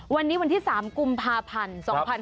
วันนี้วันที่๓กุมภาพันธ์๒๕๖๒